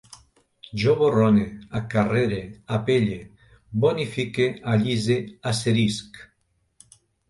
Jo borrone, acarrere, apelle, bonifique, allise, asserisc